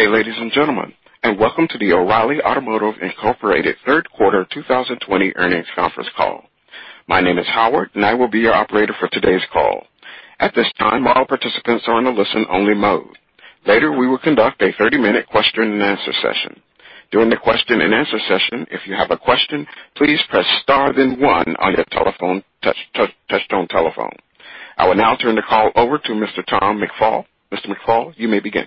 Good day, ladies and gentlemen, and welcome to the O’Reilly Automotive Incorporated Third Quarter 2020 Earnings Conference Call. My name is Howard, and I will be your operator for today's call. At this time, all participants are on a listen-only mode. Later, we will conduct a 30-minute question and answer session. During the question and answer session, if you have a question, please press star then one on your touchtone telephone. I will now turn the call over to Mr. Tom McFall. Mr. Tom McFall, you may begin.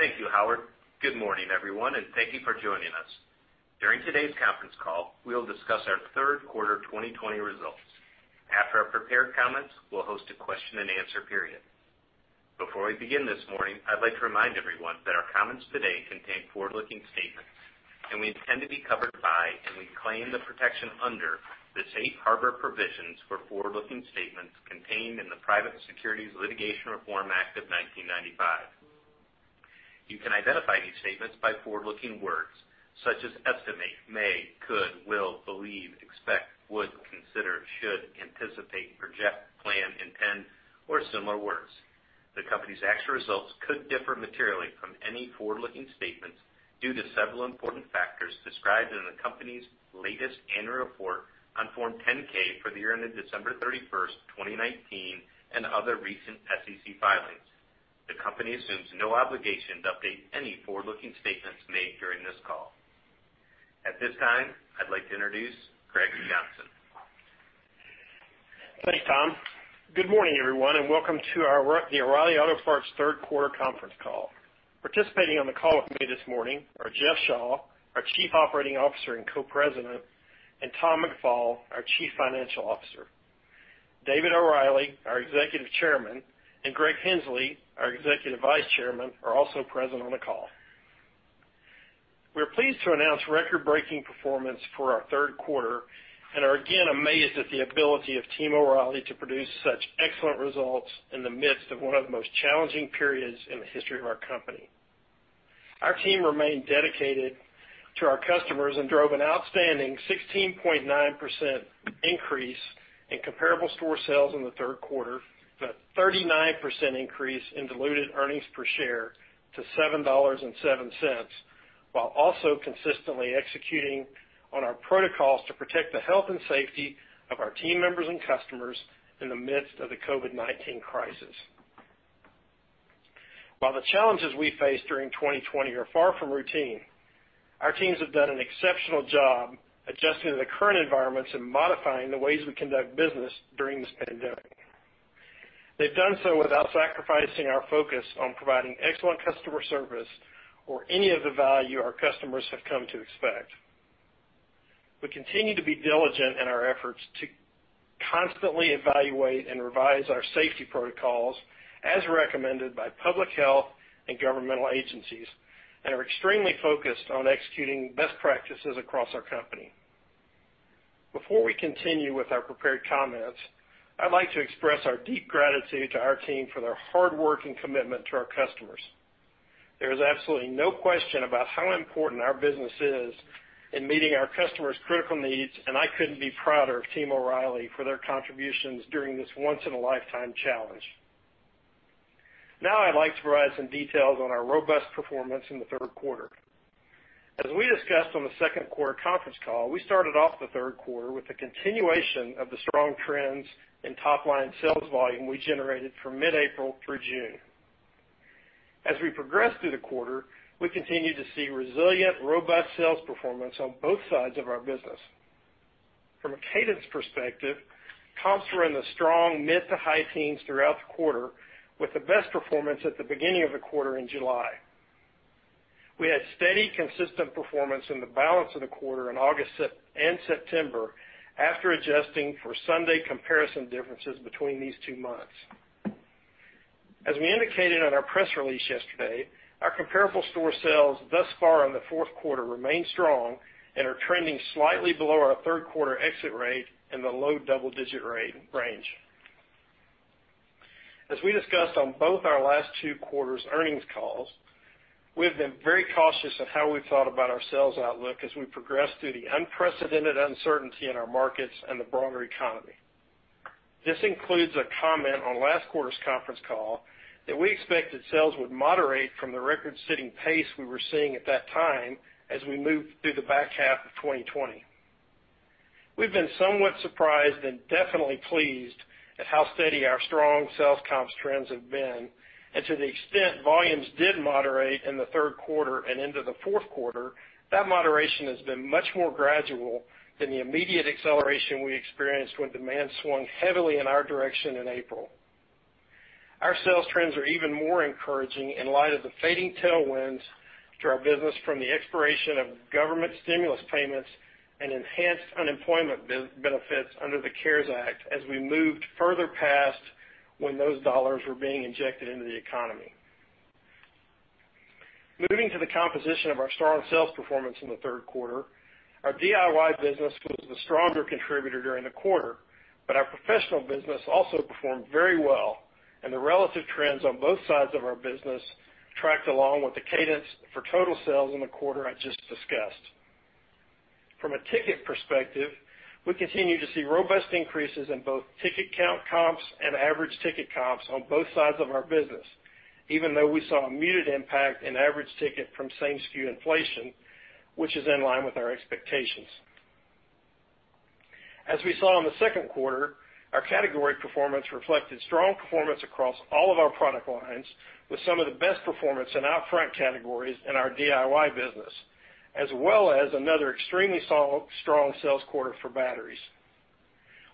Thank you, Howard. Good morning, everyone, and thank you for joining us. During today's conference call, we'll discuss our third quarter 2020 results. After our prepared comments, we'll host a question and answer period. Before we begin this morning, I'd like to remind everyone that our comments today contain forward-looking statements, and we intend to be covered by and we claim the protection under the safe harbor provisions for forward-looking statements contained in the Private Securities Litigation Reform Act of 1995. You can identify these statements by forward-looking words such as estimate, may, could, will, believe, expect, would, consider, should, anticipate, project, plan, intend, or similar words. The company's actual results could differ materially from any forward-looking statements due to several important factors described in the company's latest annual report on Form 10-K for the year ended December 31st, 2019, and other recent SEC filings. The company assumes no obligation to update any forward-looking statements made during this call. At this time, I'd like to introduce Greg Johnson. Thanks, Tom McFall. Good morning, everyone, and welcome to the O’Reilly Auto Parts third quarter conference call. Participating on the call with me this morning are Jeff Shaw, our Chief Operating Officer and Co-President, and Tom McFall, our Chief Financial Officer. David O’Reilly, our Executive Chairman, and Greg Henslee, our Executive Vice Chairman, are also present on the call. We're pleased to announce record-breaking performance for our third quarter and are again amazed at the ability of Team O’Reilly to produce such excellent results in the midst of one of the most challenging periods in the history of our company. Our team remained dedicated to our customers and drove an outstanding 16.9% increase in comparable store sales in the third quarter, a 39% increase in diluted earnings per share to $7.07, while also consistently executing on our protocols to protect the health and safety of our team members and customers in the midst of the COVID-19 crisis. While the challenges we face during 2020 are far from routine, our teams have done an exceptional job adjusting to the current environments and modifying the ways we conduct business during this pandemic. They've done so without sacrificing our focus on providing excellent customer service or any of the value our customers have come to expect. We continue to be diligent in our efforts to constantly evaluate and revise our safety protocols as recommended by public health and governmental agencies and are extremely focused on executing best practices across our company. Before we continue with our prepared comments, I'd like to express our deep gratitude to our team for their hard work and commitment to our customers. There is absolutely no question about how important our business is in meeting our customers' critical needs, and I couldn't be prouder of Team O'Reilly for their contributions during this once-in-a-lifetime challenge. Now, I'd like to provide some details on our robust performance in the third quarter. As we discussed on the second quarter conference call, we started off the third quarter with a continuation of the strong trends in top-line sales volume we generated from mid-April through June. As we progressed through the quarter, we continued to see resilient, robust sales performance on both sides of our business. From a cadence perspective, comps were in the strong mid to high teens throughout the quarter, with the best performance at the beginning of the quarter in July. We had steady, consistent performance in the balance of the quarter in August and September after adjusting for Sunday comparison differences between these two months. As we indicated on our press release yesterday, our comparable store sales thus far in the fourth quarter remain strong and are trending slightly below our third quarter exit rate in the low double-digit range. As we discussed on both our last two quarters' earnings calls, we have been very cautious of how we've thought about our sales outlook as we progress through the unprecedented uncertainty in our markets and the broader economy. This includes a comment on last quarter's conference call that we expected sales would moderate from the record-setting pace we were seeing at that time as we moved through the back half of 2020. We've been somewhat surprised and definitely pleased at how steady our strong sales comps trends have been. To the extent volumes did moderate in the third quarter and into the fourth quarter, that moderation has been much more gradual than the immediate acceleration we experienced when demand swung heavily in our direction in April. Our sales trends are even more encouraging in light of the fading tailwinds to our business from the expiration of government stimulus payments and enhanced unemployment benefits under the CARES Act as we moved further past when those dollars were being injected into the economy. Moving to the composition of our strong sales performance in the third quarter, our DIY business was the stronger contributor during the quarter, but our professional business also performed very well, and the relative trends on both sides of our business tracked along with the cadence for total sales in the quarter I just discussed. From a ticket perspective, we continue to see robust increases in both ticket count comps and average ticket comps on both sides of our business, even though we saw a muted impact in average ticket from same SKU inflation, which is in line with our expectations. As we saw in the second quarter, our category performance reflected strong performance across all of our product lines, with some of the best performance in out-front categories in our DIY business, as well as another extremely strong sales quarter for batteries.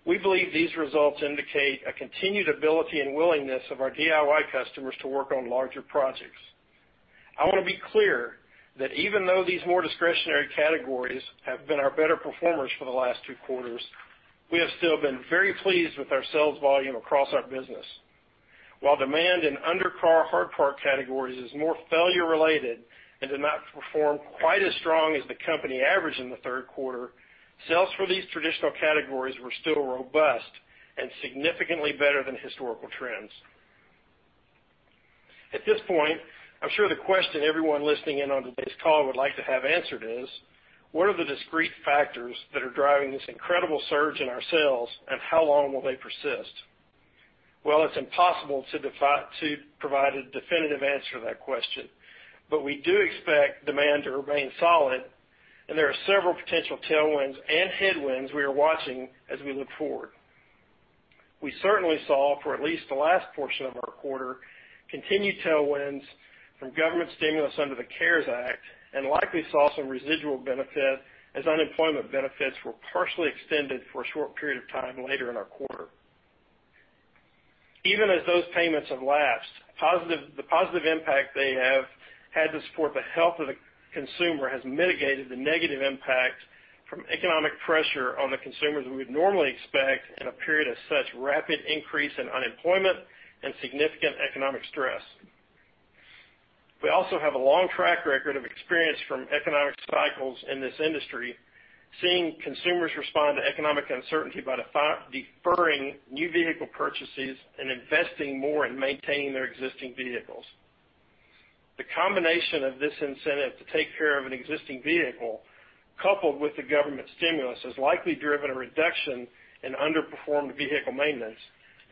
We believe these results indicate a continued ability and willingness of our DIY customers to work on larger projects. I want to be clear that even though these more discretionary categories have been our better performers for the last two quarters, we have still been very pleased with our sales volume across our business. While demand in under-car hard part categories is more failure-related and did not perform quite as strong as the company average in the third quarter, sales for these traditional categories were still robust and significantly better than historical trends. At this point, I'm sure the question everyone listening in on today's call would like to have answered is: What are the discrete factors that are driving this incredible surge in our sales, and how long will they persist? Well, it's impossible to provide a definitive answer to that question, but we do expect demand to remain solid, and there are several potential tailwinds and headwinds we are watching as we look forward. We certainly saw, for at least the last portion of our quarter, continued tailwinds from government stimulus under the CARES Act and likely saw some residual benefit as unemployment benefits were partially extended for a short period of time later in our quarter. Even as those payments have lapsed, the positive impact they have had to support the health of the consumer has mitigated the negative impact from economic pressure on the consumers we would normally expect in a period of such rapid increase in unemployment and significant economic stress. We also have a long track record of experience from economic cycles in this industry, seeing consumers respond to economic uncertainty by deferring new vehicle purchases and investing more in maintaining their existing vehicles. The combination of this incentive to take care of an existing vehicle, coupled with the government stimulus, has likely driven a reduction in unperformed vehicle maintenance,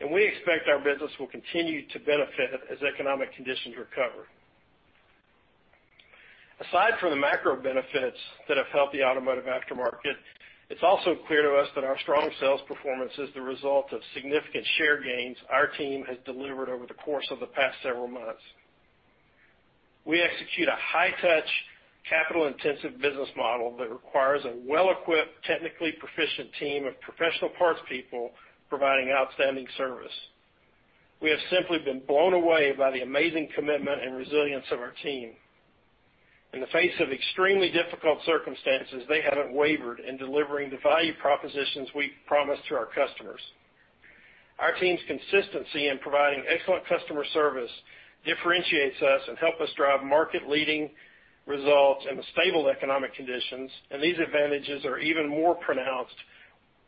and we expect our business will continue to benefit as economic conditions recover. Aside from the macro benefits that have helped the automotive aftermarket, it's also clear to us that our strong sales performance is the result of significant share gains our team has delivered over the course of the past several months. We execute a high-touch, capital-intensive business model that requires a well-equipped, technically proficient team of professional parts people providing outstanding service. We have simply been blown away by the amazing commitment and resilience of our team. In the face of extremely difficult circumstances, they haven't wavered in delivering the value propositions we promise to our customers. Our team's consistency in providing excellent customer service differentiates us and helps us drive market-leading results in the stable economic conditions, and these advantages are even more pronounced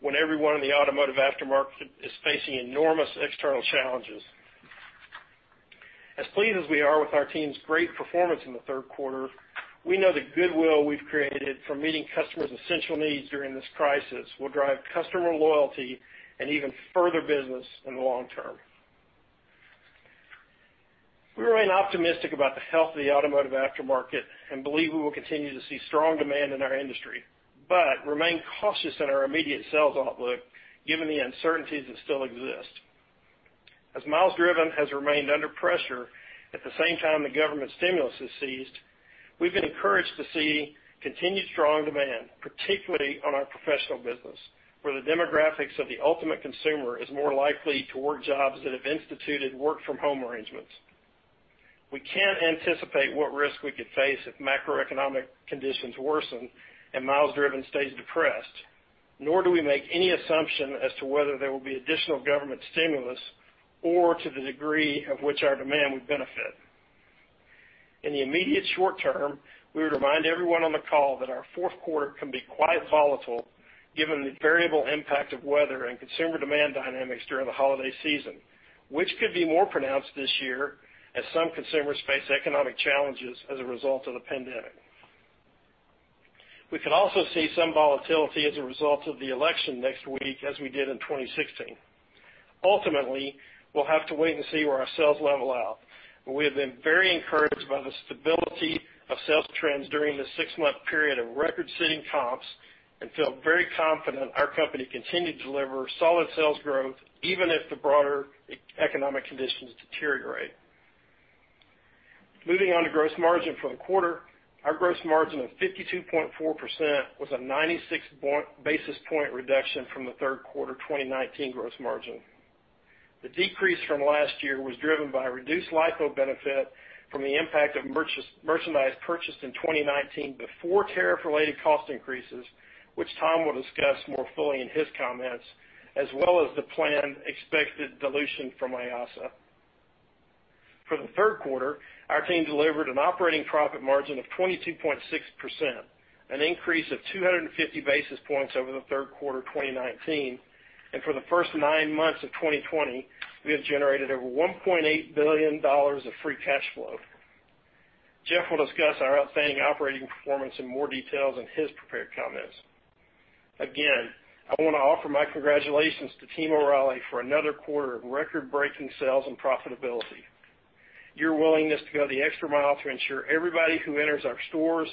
when everyone in the automotive aftermarket is facing enormous external challenges. As pleased as we are with our team's great performance in the third quarter, we know the goodwill we've created from meeting customers' essential needs during this crisis will drive customer loyalty and even further business in the long term. We remain optimistic about the health of the automotive aftermarket and believe we will continue to see strong demand in our industry, but remain cautious in our immediate sales outlook given the uncertainties that still exist. As miles driven has remained under pressure at the same time the government stimulus has ceased, we've been encouraged to see continued strong demand, particularly on our professional business, where the demographics of the ultimate consumer is more likely toward jobs that have instituted work-from-home arrangements. We can't anticipate what risk we could face if macroeconomic conditions worsen and miles driven stays depressed, nor do we make any assumption as to whether there will be additional government stimulus or to the degree of which our demand would benefit. In the immediate short term, we would remind everyone on the call that our fourth quarter can be quite volatile given the variable impact of weather and consumer demand dynamics during the holiday season, which could be more pronounced this year as some consumers face economic challenges as a result of the pandemic. We could also see some volatility as a result of the election next week, as we did in 2016. Ultimately, we'll have to wait and see where our sales level out, but we have been very encouraged by the stability of sales trends during this six-month period of record-setting comps and feel very confident our company can continue to deliver solid sales growth even if the broader economic conditions deteriorate. Moving on to gross margin for the quarter. Our gross margin of 52.4% was a 96-basis point reduction from the third quarter 2019 gross margin. The decrease from last year was driven by reduced LIFO benefit from the impact of merchandise purchased in 2019 before tariff-related cost increases, which Tom McFall will discuss more fully in his comments, as well as the planned expected dilution from Mayasa. For the third quarter, our team delivered an operating profit margin of 22.6%, an increase of 250 basis points over the third quarter 2019, and for the first nine months of 2020, we have generated over $1.9 billion of free cash flow. Jeff Shaw will discuss our outstanding operating performance in more details in his prepared comments. Again, I want to offer my congratulations to Team O’Reilly for another quarter of record-breaking sales and profitability. Your willingness to go the extra mile to ensure everybody who enters our stores,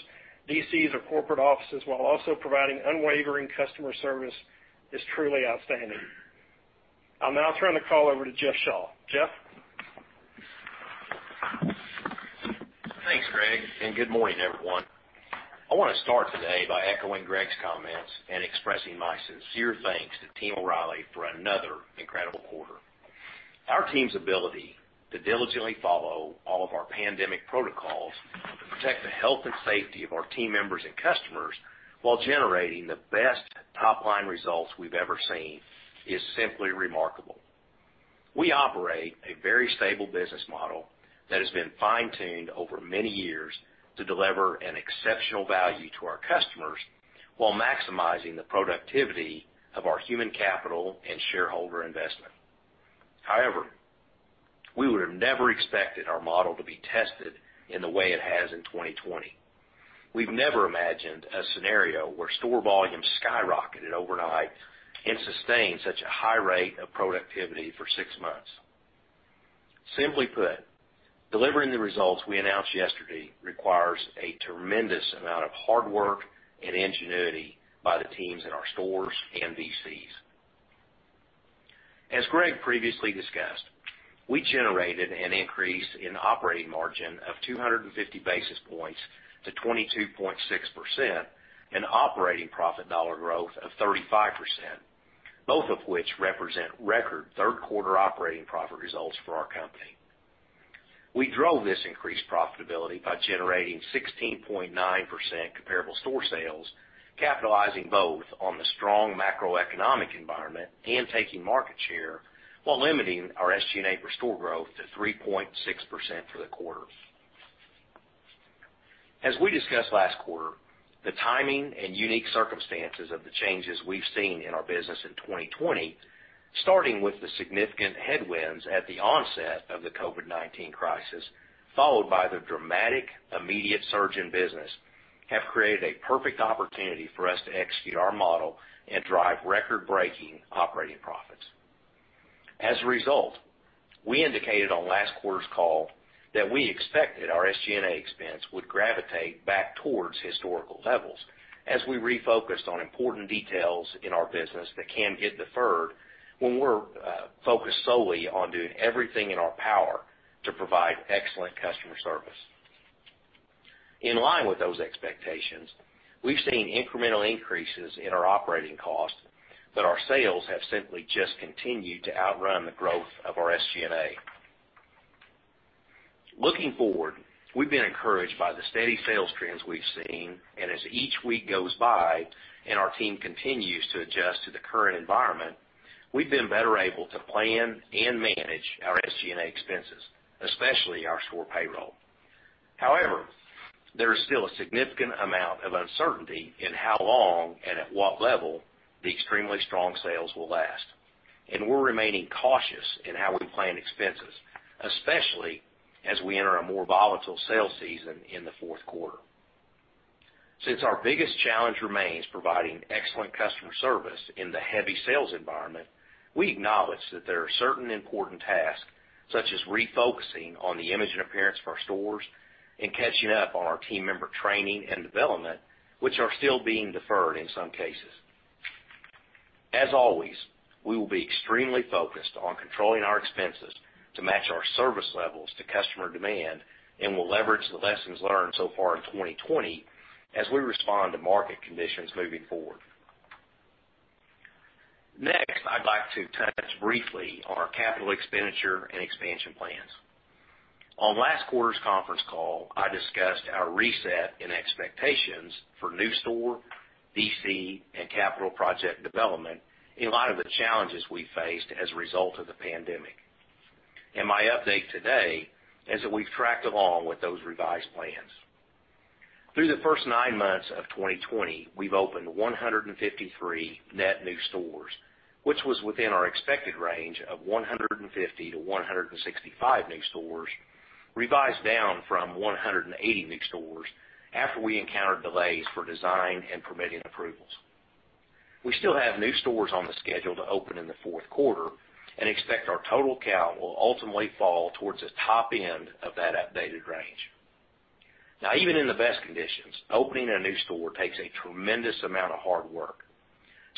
DCs, or corporate offices, while also providing unwavering customer service, is truly outstanding. I'll now turn the call over to Jeff Shaw. Jeff Shaw? Thanks, Greg Johnson. Good morning, everyone. I want to start today by echoing Greg Johnson's comments and expressing my sincere thanks to Team O’Reilly for another incredible quarter. Our team's ability to diligently follow all of our pandemic protocols to protect the health and safety of our team members and customers, while generating the best top-line results we've ever seen is simply remarkable. We operate a very stable business model that has been fine-tuned over many years to deliver an exceptional value to our customers while maximizing the productivity of our human capital and shareholder investment. However, we would have never expected our model to be tested in the way it has in 2020. We've never imagined a scenario where store volumes skyrocketed overnight and sustained such a high rate of productivity for six months. Simply put, delivering the results we announced yesterday requires a tremendous amount of hard work and ingenuity by the teams in our stores and DCs. As Greg Johnson previously discussed, we generated an increase in operating margin of 250 basis points to 22.6%, an operating profit dollar growth of 35%, both of which represent record third quarter operating profit results for our company. We drove this increased profitability by generating 16.9% comparable store sales, capitalizing both on the strong macroeconomic environment and taking market share, while limiting our SG&A per store growth to 3.6% for the quarter. As we discussed last quarter, the timing and unique circumstances of the changes we've seen in our business in 2020, starting with the significant headwinds at the onset of the COVID-19 crisis, followed by the dramatic, immediate surge in business, have created a perfect opportunity for us to execute our model and drive record-breaking operating profits. As a result, we indicated on last quarter's call that we expected our SG&A expense would gravitate back towards historical levels as we refocused on important details in our business that can get deferred when we're focused solely on doing everything in our power to provide excellent customer service. In line with those expectations, we've seen incremental increases in our operating cost, but our sales have simply just continued to outrun the growth of our SG&A. Looking forward, we've been encouraged by the steady sales trends we've seen, and as each week goes by and our team continues to adjust to the current environment, we've been better able to plan and manage our SG&A expenses, especially our store payroll. However, there is still a significant amount of uncertainty in how long and at what level the extremely strong sales will last. We're remaining cautious in how we plan expenses, especially as we enter a more volatile sales season in the fourth quarter. Since our biggest challenge remains providing excellent customer service in the heavy sales environment, we acknowledge that there are certain important tasks, such as refocusing on the image and appearance of our stores and catching up on our team member training and development, which are still being deferred in some cases. As always, we will be extremely focused on controlling our expenses to match our service levels to customer demand and will leverage the lessons learned so far in 2020 as we respond to market conditions moving forward. Next, I'd like to touch briefly on our capital expenditure and expansion plans. On last quarter's conference call, I discussed our reset and expectations for new store, DC, and capital project development in light of the challenges we faced as a result of the pandemic. My update today is that we've tracked along with those revised plans. Through the first nine months of 2020, we've opened 153 net new stores, which was within our expected range of 150-165 new stores, revised down from 180 new stores after we encountered delays for design and permitting approvals. We still have new stores on the schedule to open in the fourth quarter and expect our total count will ultimately fall towards the top end of that updated range. Now, even in the best conditions, opening a new store takes a tremendous amount of hard work.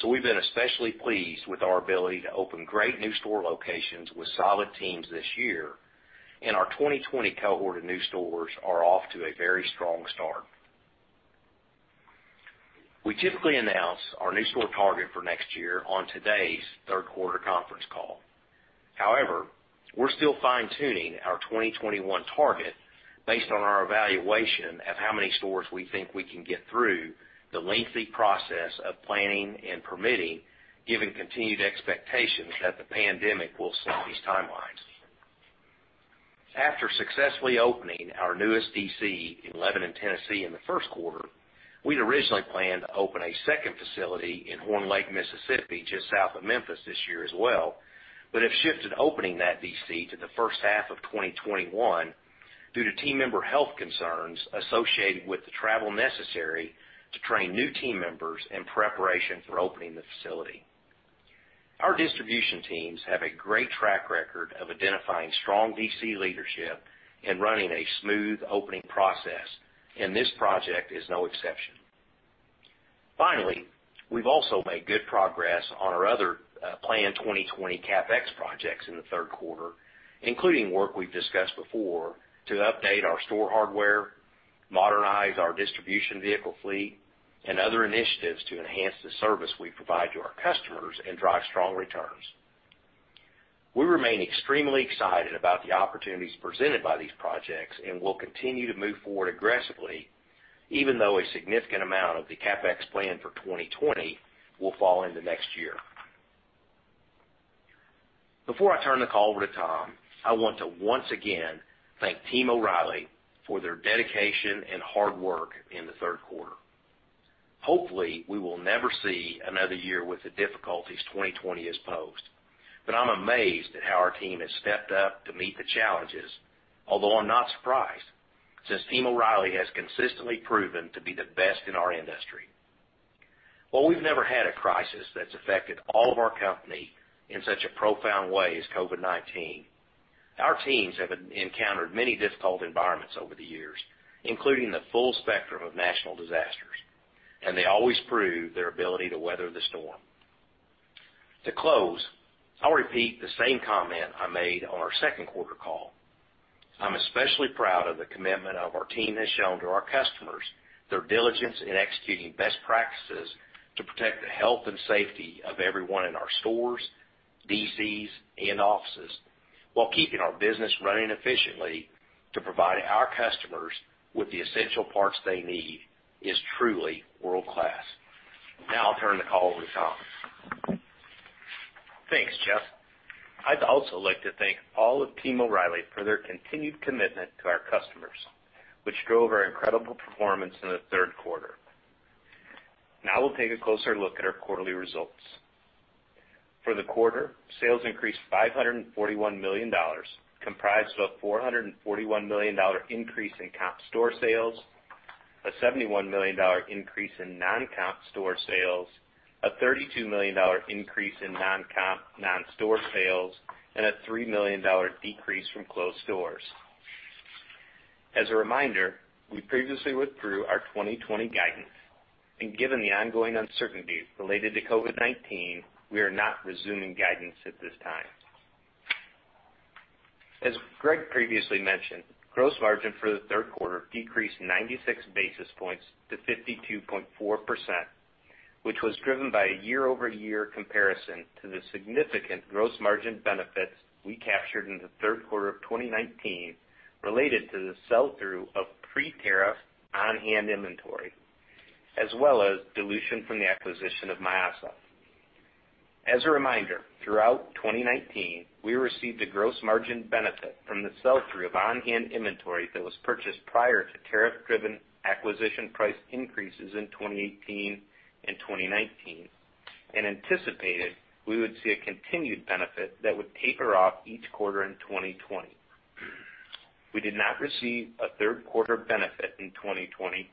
We've been especially pleased with our ability to open great new store locations with solid teams this year, and our 2020 cohort of new stores are off to a very strong start. We typically announce our new store target for next year on today's third quarter conference call. However, we're still fine-tuning our 2021 target based on our evaluation of how many stores we think we can get through the lengthy process of planning and permitting, given continued expectations that the pandemic will slow these timelines. After successfully opening our newest DC in Lebanon, Tennessee in the first quarter. We'd originally planned to open a second facility in Horn Lake, Mississippi, just south of Memphis this year as well, but have shifted opening that DC to the first half of 2021 due to team member health concerns associated with the travel necessary to train new team members in preparation for opening the facility. Our distribution teams have a great track record of identifying strong DC leadership and running a smooth opening process, and this project is no exception. Finally, we've also made good progress on our other planned 2020 CapEx projects in the third quarter, including work we've discussed before to update our store hardware, modernize our distribution vehicle fleet, and other initiatives to enhance the service we provide to our customers and drive strong returns. We remain extremely excited about the opportunities presented by these projects and will continue to move forward aggressively, even though a significant amount of the CapEx plan for 2020 will fall into next year. Before I turn the call over to Tom McFall, I want to once again thank Team O’Reilly for their dedication and hard work in the third quarter. Hopefully, we will never see another year with the difficulties 2020 has posed, but I'm amazed at how our team has stepped up to meet the challenges. Although I'm not surprised, since Team O’Reilly has consistently proven to be the best in our industry. While we've never had a crisis that's affected all of our company in such a profound way as COVID-19, our teams have encountered many difficult environments over the years, including the full spectrum of national disasters, and they always prove their ability to weather the storm. To close, I'll repeat the same comment I made on our second quarter call. I'm especially proud of the commitment our Team O'Reilly has shown to our customers, their diligence in executing best practices to protect the health and safety of everyone in our stores, DCs, and offices, while keeping our business running efficiently to provide our customers with the essential parts they need, is truly world-class. Now, I'll turn the call over to Tom McFall. Thanks, Jeff Shaw. I'd also like to thank all of Team O’Reilly for their continued commitment to our customers, which drove our incredible performance in the third quarter. Now, we'll take a closer look at our quarterly results. For the quarter, sales increased $541 million, comprised of $441 million increase in comp store sales, a $71 million increase in non-comp store sales, a $32 million increase in non-comp non-store sales, and a $3 million decrease from closed stores. As a reminder, we previously withdrew our 2020 guidance, and given the ongoing uncertainty related to COVID-19, we are not resuming guidance at this time. As Greg Johnson previously mentioned, gross margin for the third quarter decreased 96 basis points to 52.4%, which was driven by a year-over-year comparison to the significant gross margin benefits we captured in the third quarter of 2019 related to the sell-through of pre-tariff on-hand inventory, as well as dilution from the acquisition of Mayasa. As a reminder, throughout 2019, we received a gross margin benefit from the sell-through of on-hand inventory that was purchased prior to tariff-driven acquisition price increases in 2018 and 2019, and anticipated we would see a continued benefit that would taper off each quarter in 2020. We did not receive a third-quarter benefit in 2020,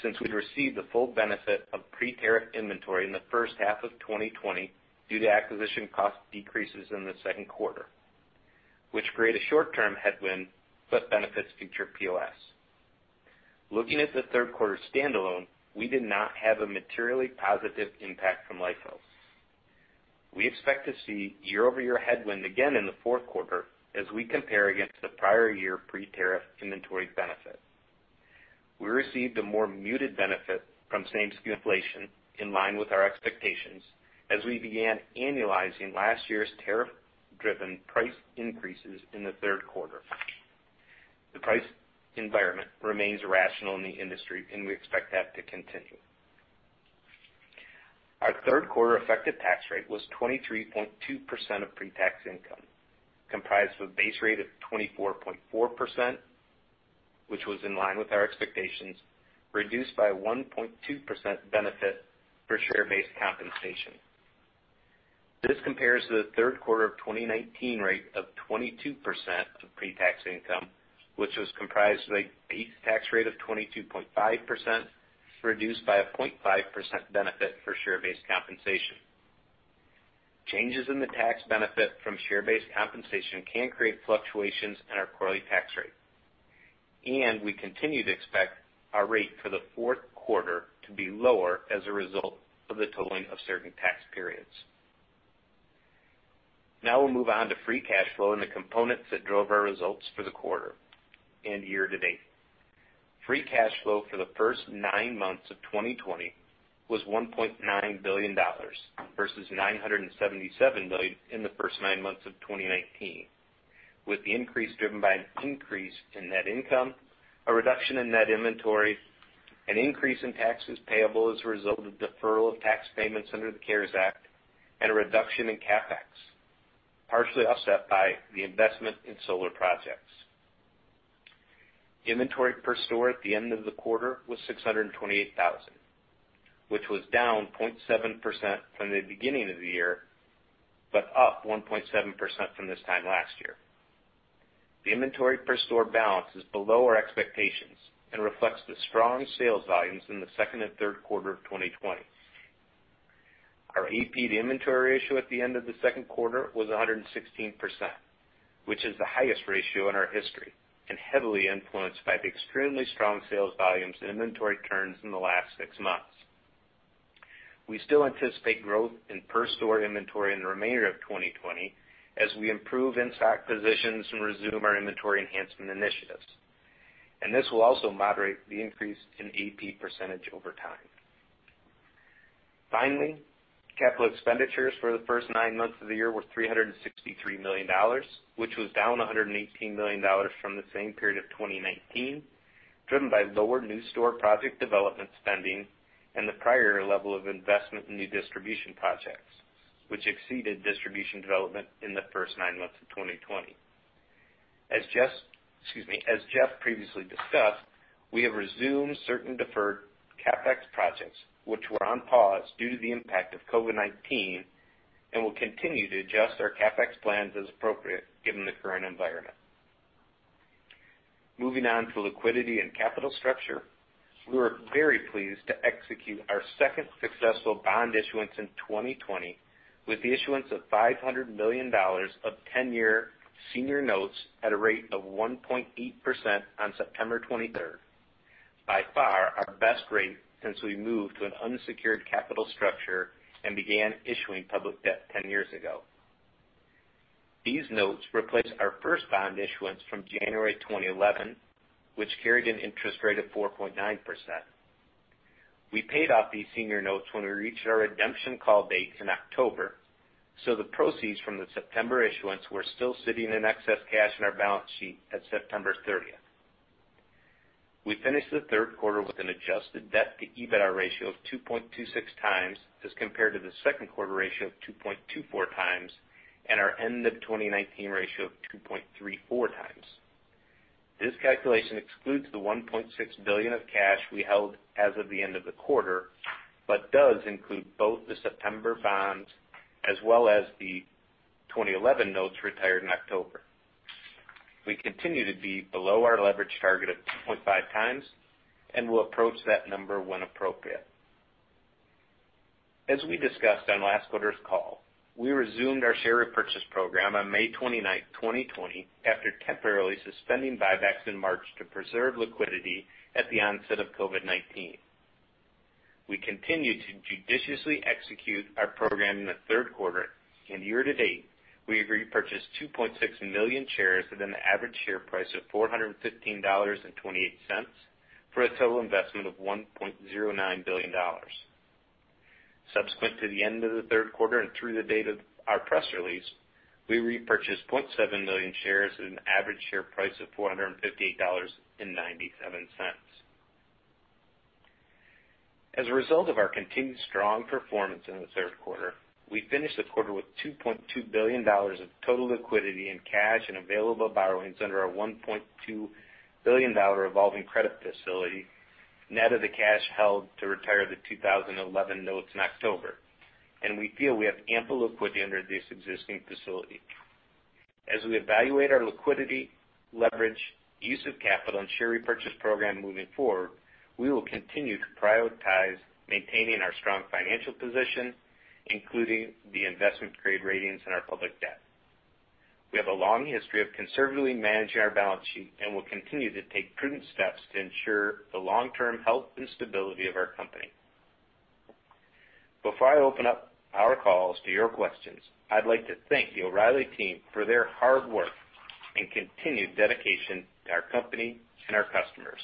since we'd received the full benefit of pre-tariff inventory in the first half of 2020 due to acquisition cost decreases in the second quarter, which create a short-term headwind but benefits future POS. Looking at the third quarter standalone, we did not have a materially positive impact from LIFO. We expect to see year-over-year headwind again in the fourth quarter as we compare against the prior year pre-tariff inventory benefit. We received a more muted benefit from same inflation in line with our expectations as we began annualizing last year's tariff-driven price increases in the third quarter. The price environment remains irrational in the industry and we expect that to continue. Our third quarter effective tax rate was 23.2% of pre-tax income, comprised of a base rate of 24.4%, which was in line with our expectations, reduced by 1.2% benefit for share-based compensation. This compares to the third quarter of 2019 rate of 22% of pre-tax income, which was comprised a base tax rate of 22.5%, reduced by a 0.5% benefit for share-based compensation. Changes in the tax benefit from share-based compensation can create fluctuations in our quarterly tax rate, and we continue to expect our rate for the fourth quarter to be lower as a result of the tolling of certain tax periods. Now, we'll move on to free cash flow and the components that drove our results for the quarter and year-to-date. Free cash flow for the first nine months of 2020 was $1.9 billion, versus $977 million in the first nine months of 2019, with the increase driven by an increase in net income, a reduction in net inventory, an increase in taxes payable as a result of deferral of tax payments under the CARES Act, and a reduction in CapEx, partially offset by the investment in solar projects. Inventory per store at the end of the quarter was 628,000, which was down 0.7% from the beginning of the year, but up 1.7% from this time last year. The inventory per store balance is below our expectations and reflects the strong sales volumes in the second and third quarter of 2020. Our AP to inventory ratio at the end of the second quarter was 116%, which is the highest ratio in our history, and heavily influenced by the extremely strong sales volumes and inventory turns in the last six months. We still anticipate growth in per store inventory in the remainder of 2020 as we improve in-stock positions and resume our inventory enhancement initiatives. This will also moderate the increase in AP percentage over time. Finally, capital expenditures for the first nine months of the year were $363 million, which was down $118 million from the same period of 2019, driven by lower new store project development spending and the prior level of investment in new distribution projects, which exceeded distribution development in the first nine months of 2020. As Jeff Shaw previously discussed, we have resumed certain deferred CapEx projects, which were on pause due to the impact of COVID-19, and will continue to adjust our CapEx plans as appropriate given the current environment. Moving on to liquidity and capital structure. We were very pleased to execute our second successful bond issuance in 2020 with the issuance of $500 million of 10-year senior notes at a rate of 1.8% on September 23rd. By far our best rate since we moved to an unsecured capital structure and began issuing public debt 10 years ago. These notes replaced our first bond issuance from January 2011, which carried an interest rate of 4.9%. We paid off these senior notes when we reached our redemption call date in October, so the proceeds from the September issuance were still sitting in excess cash in our balance sheet at September 30th. We finished the third quarter with an adjusted debt to EBITDA ratio of 2.26 times as compared to the second quarter ratio of 2.24 times, and our end of 2019 ratio of 2.34 times. This calculation excludes the $1.6 billion of cash we held as of the end of the quarter, but does include both the September bonds as well as the 2011 notes retired in October. We continue to be below our leverage target of 2.5 times, and will approach that number when appropriate. As we discussed on last quarter's call, we resumed our share repurchase program on May 29th, 2020, after temporarily suspending buybacks in March to preserve liquidity at the onset of COVID-19. We continued to judiciously execute our program in the third quarter and year to date, we repurchased 2.6 million shares within the average share price of $415.28 for a total investment of $1.09 billion. Subsequent to the end of the third quarter and through the date of our press release, we repurchased 0.7 million shares at an average share price of $458.97. As a result of our continued strong performance in the third quarter, we finished the quarter with $2.2 billion of total liquidity in cash and available borrowings under our $1.2 billion revolving credit facility, net of the cash held to retire the 2011 notes in October. We feel we have ample liquidity under this existing facility. As we evaluate our liquidity, leverage, use of capital, and share repurchase program moving forward, we will continue to prioritize maintaining our strong financial position, including the investment grade ratings in our public debt. We have a long history of conservatively managing our balance sheet and will continue to take prudent steps to ensure the long-term health and stability of our company. Before I open up our calls to your questions, I'd like to thank the O'Reilly team for their hard work and continued dedication to our company and our customers.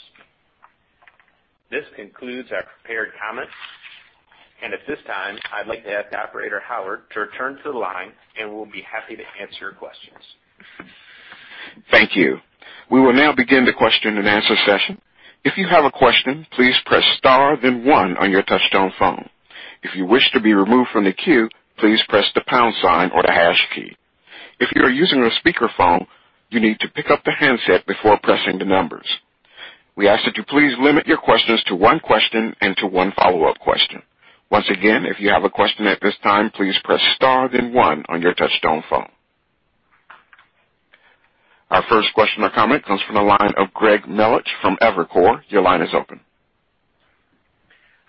This concludes our prepared comments, and at this time, I'd like to ask the operator, Howard, to return to the line, and we'll be happy to answer your questions. Thank you. We will now begin the question and answer session. If you have a question, please press star then one on your touchtone phone. If you wish to be removed from the queue, please press the pound sign or the hash key. If you are using a speakerphone, you need to pick up the handset before pressing the numbers. We ask that you please limit your questions to one question and to one follow-up question. Once again, if you have a question at this time, please press star then one on your touchtone phone. Our first question or comment comes from the line of Greg Melich from Evercore. Your line is open.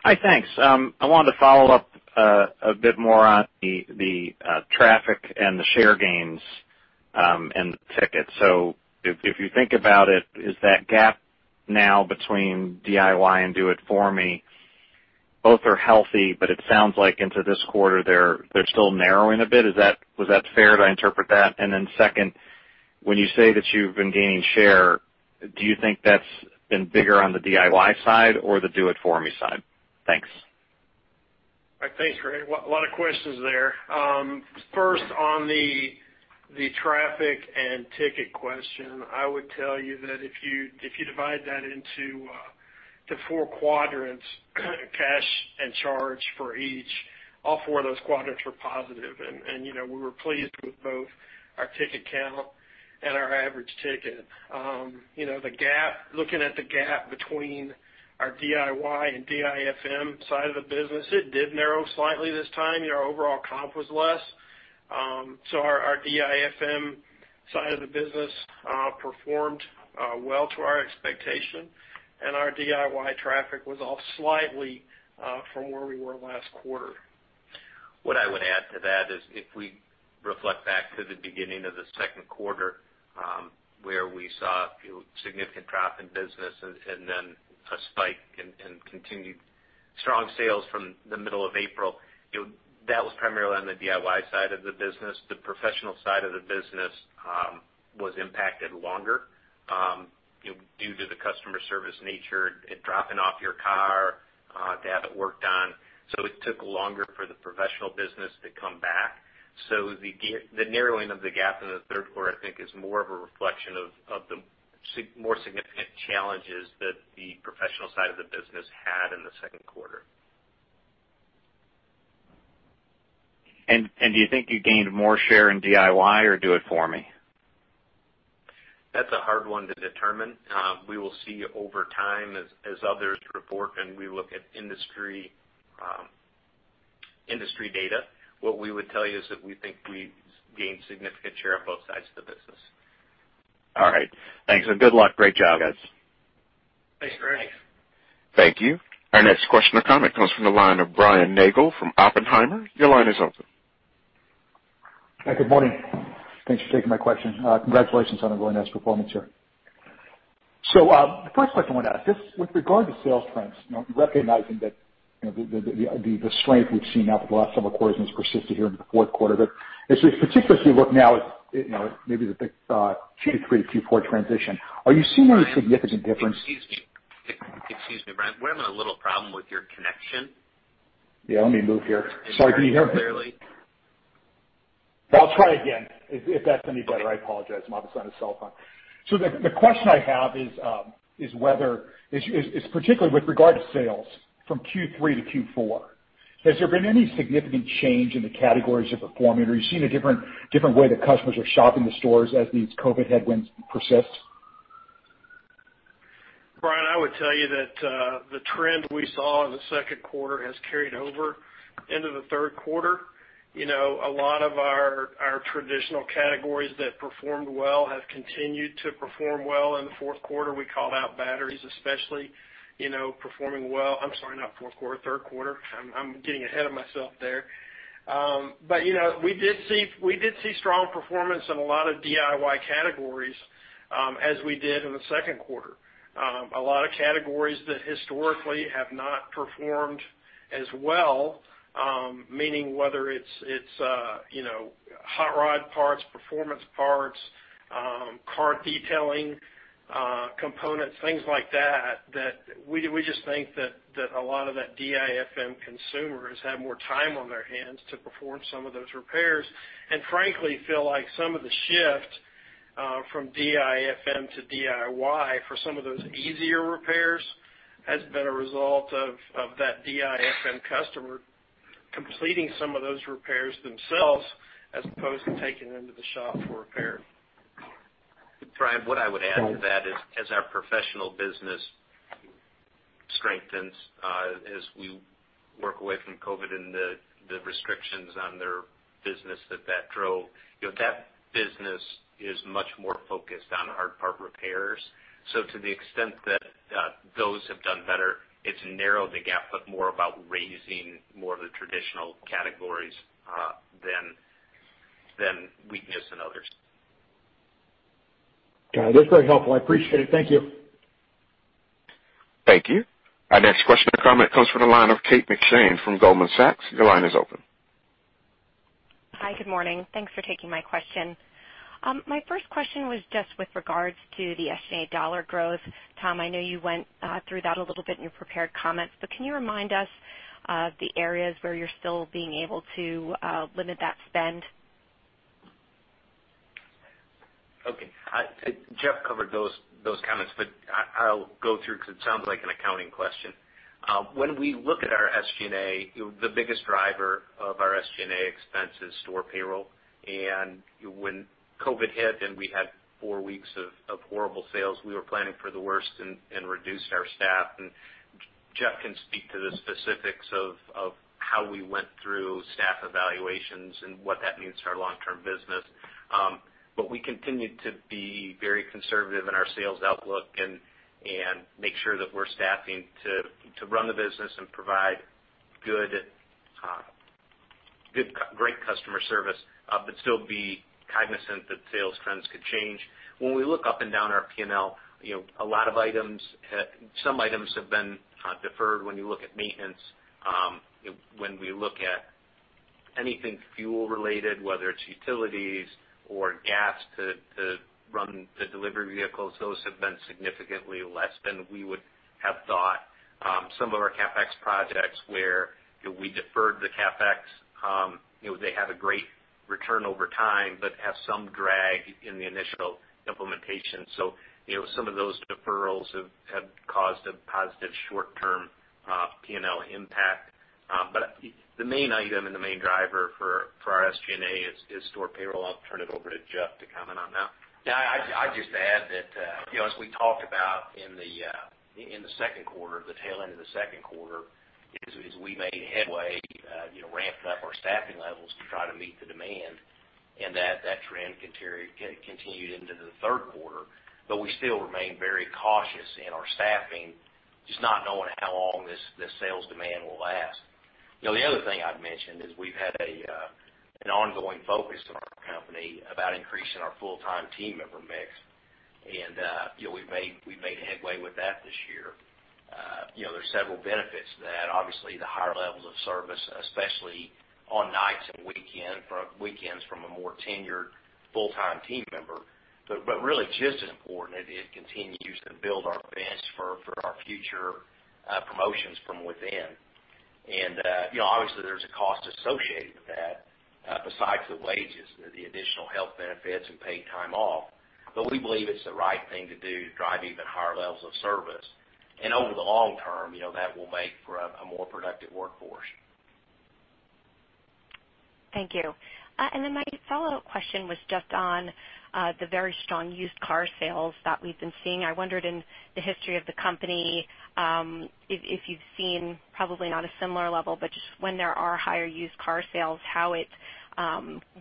Hi, thanks. I wanted to follow up a bit more on the traffic and the share gains in the ticket. If you think about it, is that gap now between DIY and Do It For Me, both are healthy, but it sounds like into this quarter they're still narrowing a bit. Was that fair to interpret that? Second, when you say that you've been gaining share, do you think that's been bigger on the DIY side or the Do It For Me side? Thanks. Thanks, Greg Melich. Lot of questions there. First, on the traffic and ticket question, I would tell you that if you divide that into four quadrants, cash and charge for each. All four of those quadrants were positive. We were pleased with both our ticket count and our average ticket. Looking at the gap between our DIY and DIFM side of the business, it did narrow slightly this time. Our overall comp was less. Our DIFM side of the business performed well to our expectation. Our DIY traffic was off slightly from where we were last quarter. What I would add to that is if we reflect back to the beginning of the second quarter, where we saw a significant drop in business and then a spike in continued strong sales from the middle of April, that was primarily on the DIY side of the business. The professional side of the business was impacted longer due to the customer service nature and dropping off your car to have it worked on. It took longer for the professional business to come back. The narrowing of the gap in the third quarter, I think, is more of a reflection of the more significant challenges that the professional side of the business had in the second quarter. Do you think you gained more share in DIY or do it for me? That's a hard one to determine. We will see over time as others report and we look at industry data. What we would tell you is that we think we gained significant share on both sides of the business. All right. Thanks, and good luck. Great job, guys. Thanks, Greg Melich. Thank you. Our next question or comment comes from the line of Brian Nagel from Oppenheimer. Your line is open. Hi, good morning. Thanks for taking my question. Congratulations on a really nice performance here. The first question I want to ask, just with regard to sales trends, recognizing that the strength we've seen now for the last several quarters has persisted here into the fourth quarter, but as we particularly look now at maybe the Q3 to Q4 transition, are you seeing any significant difference? Excuse me, Brian Nagel, we're having a little problem with your connection. Yeah, let me move here. Sorry, can you hear me? Clearly. I'll try again if that's any better. I apologize. I'm obviously on a cell phone. The question I have is particularly with regard to sales from Q3 to Q4, has there been any significant change in the categories of performing? Are you seeing a different way that customers are shopping the stores as these COVID-19 headwinds persist? Brian Nagel, I would tell you that the trend we saw in the second quarter has carried over into the third quarter. A lot of our traditional categories that performed well have continued to perform well in the fourth quarter. We called out batteries, especially performing well. I'm sorry, not fourth quarter, third quarter. I'm getting ahead of myself there. We did see strong performance in a lot of DIY categories as we did in the second quarter. A lot of categories that historically have not performed as well, meaning whether it's hot rod parts, performance parts, car detailing components, things like that, we just think that a lot of that DIFM consumers have more time on their hands to perform some of those repairs, and frankly feel like some of the shift from DIFM to DIY for some of those easier repairs has been a result of that DIFM customer completing some of those repairs themselves as opposed to taking them to the shop for repair. Brian Nagel, what I would add to that is as our professional business strengthens as we work away from COVID and the restrictions on their business that drove, that business is much more focused on hard part repairs. To the extent that those have done better, it's narrowed the gap, but more about raising more of the traditional categories than weakness in others. Got it. That's very helpful. I appreciate it. Thank you. Thank you. Our next question or comment comes from the line of Kate McShane from Goldman Sachs. Your line is open. Hi, good morning. Thanks for taking my question. My first question was just with regards to the SG&A dollar growth. Tom McFall, I know you went through that a little bit in your prepared comments, can you remind us of the areas where you're still being able to limit that spend? Okay. Jeff Shaw covered those comments. I'll go through because it sounds like an accounting question. When we look at our SG&A, the biggest driver of our SG&A expense is store payroll. When COVID hit and we had four weeks of horrible sales, we were planning for the worst and reduced our staff. Jeff Shaw can speak to the specifics of how we went through staff evaluations and what that means for our long-term business. We continue to be very conservative in our sales outlook and make sure that we're staffing to run the business and provide great customer service, but still be cognizant that sales trends could change. When we look up and down our P&L, some items have been deferred when you look at maintenance. When we look at anything fuel related, whether it's utilities or gas to run the delivery vehicles, those have been significantly less than we would have thought. Some of our CapEx projects where we deferred the CapEx, they have a great return over time, but have some drag in the initial implementation. Some of those deferrals have caused a positive short-term P&L impact. The main item and the main driver for our SG&A is store payroll. I'll turn it over to Jeff Shaw to comment on that. Yeah, I'd just add that, as we talked about in the tail end of the second quarter, is we made headway ramping up our staffing levels to try to meet the demand, and that trend continued into the third quarter. We still remain very cautious in our staffing, just not knowing how long this sales demand will last. The other thing I'd mention is we've had an ongoing focus in our company about increasing our full-time team member mix, and we've made headway with that this year. There's several benefits to that, obviously, the higher levels of service, especially on nights and weekends, from a more tenured full-time team member. Really just as important, it continues to build our bench for our future promotions from within. Obviously, there's a cost associated with that besides the wages, the additional health benefits and paid time off. We believe it's the right thing to do to drive even higher levels of service. Over the long term, that will make for a more productive workforce. Thank you. My follow-up question was just on the very strong used car sales that we've been seeing. I wondered in the history of the company, if you've seen, probably not a similar level, but just when there are higher used car sales, how it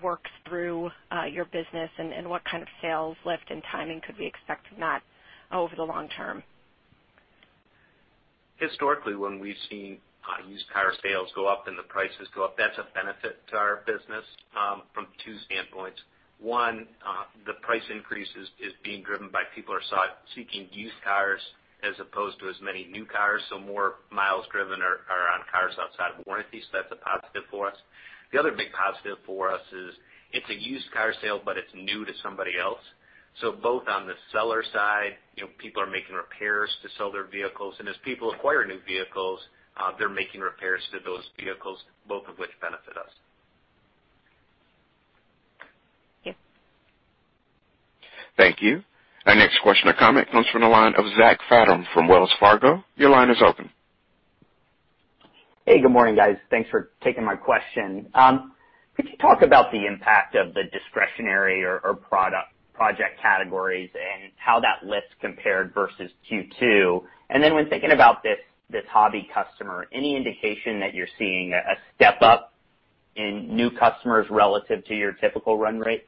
works through your business and what kind of sales lift and timing could we expect from that over the long term? Historically, when we've seen used car sales go up and the prices go up, that's a benefit to our business from two standpoints. One, the price increase is being driven by people are seeking used cars as opposed to as many new cars, so more miles driven are on cars outside of warranty. That's a positive for us. The other big positive for us is it's a used car sale, but it's new to somebody else. Both on the seller side, people are making repairs to sell their vehicles, and as people acquire new vehicles, they're making repairs to those vehicles, both of which benefit us. Thank you. Thank you. Our next question or comment comes from the line of Zach Fadem from Wells Fargo. Your line is open. Hey, good morning, guys. Thanks for taking my question. Could you talk about the impact of the discretionary or project categories and how that list compared versus Q2? When thinking about this hobby customer, any indication that you're seeing a step-up in new customers relative to your typical run rate?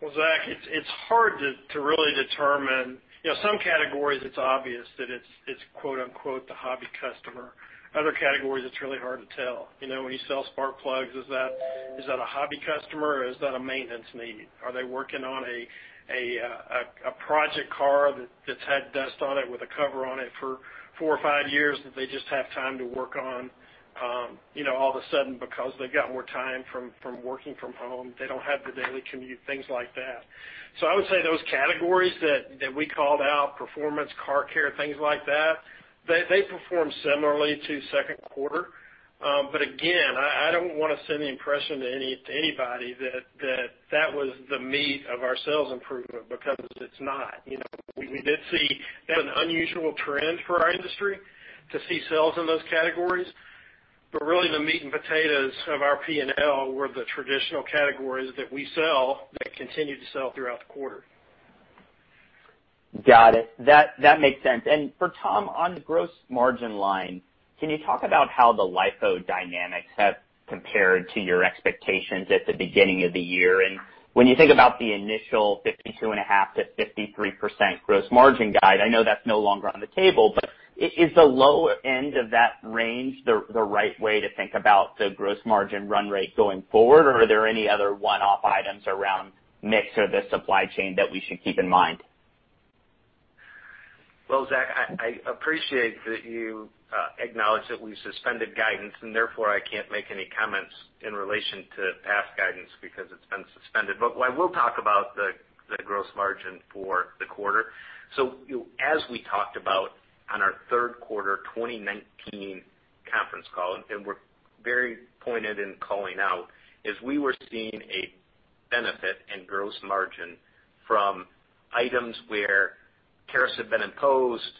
Well, Zach Fadem, it's hard to really determine. Some categories, it's obvious that it's quote unquote, the hobby customer. Other categories, it's really hard to tell. When you sell spark plugs, is that a hobby customer or is that a maintenance need? Are they working on a project car that's had dust on it with a cover on it for four or five years that they just have time to work on all of a sudden, because they've got more time from working from home, they don't have the daily commute, things like that. I would say those categories that we called out, performance, car care, things like that, they performed similarly to second quarter. Again, I don't want to send the impression to anybody that that was the meat of our sales improvement, because it's not. We did see that an unusual trend for our industry to see sales in those categories. Really the meat and potatoes of our P&L were the traditional categories that we sell that continued to sell throughout the quarter. Got it. That makes sense. For Tom McFall, on the gross margin line, can you talk about how the LIFO dynamics have compared to your expectations at the beginning of the year? When you think about the initial 52.5%-53% gross margin guide, I know that's no longer on the table, but is the lower end of that range the right way to think about the gross margin run rate going forward, or are there any other one-off items around mix or the supply chain that we should keep in mind? Zach, I appreciate that you acknowledged that we suspended guidance, therefore, I can't make any comments in relation to past guidance because it's been suspended. What I will talk about the gross margin for the quarter. As we talked about on our third quarter 2019 conference call, we're very pointed in calling out, is we were seeing a benefit in gross margin from items where tariffs had been imposed,